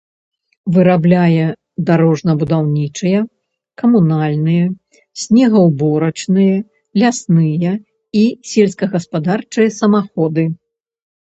Вырабляе дарожна-будаўнічыя, камунальныя, снегаўборачныя, лясныя і сельскагаспадарчыя самаходы.